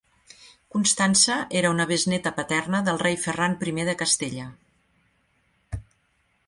Constança era una besnéta paterna del rei Ferran I de Castella.